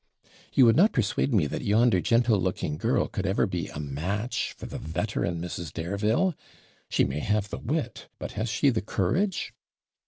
'You would not persuade me that yonder gentle looking girl could ever be a match for the veteran Mrs. Dareville? She may have the wit, but has she the courage?'